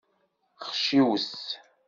Xciwet.